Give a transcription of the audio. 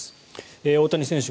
大谷選手